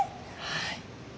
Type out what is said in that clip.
はい。